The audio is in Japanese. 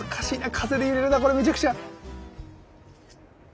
風で揺れるなこれめちゃくちゃ。